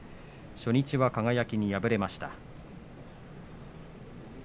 初日は輝に敗れました。